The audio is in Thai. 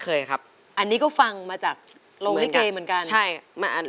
เปรียบความรักที่เหมือนมน